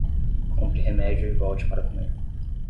Compre remédio e volte para comer